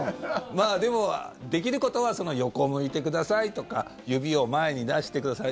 でも、できることは横向いてくださいとか指を前に出してください